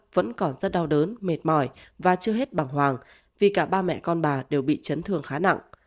vẫn còn rất đau đớn mệt mỏi và chưa hết bằng hoàng vì cả ba mẹ con bà đều bị chấn thương khá nặng